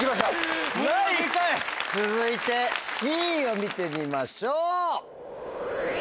続いてＣを見てみましょう。